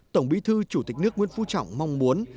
tổng bí thư chủ tịch nước nguyễn phú trọng mong muốn